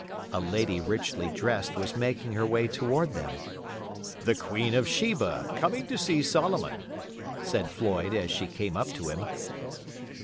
A lady richly dressed was making her way toward them. "The Queen of Sheba—coming to see Solomon," said Floyd, as she came up to him.